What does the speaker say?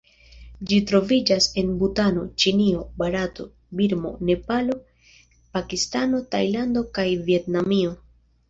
Ĝi troviĝas en Butano, Ĉinio, Barato, Birmo, Nepalo, Pakistano, Tajlando kaj Vjetnamio.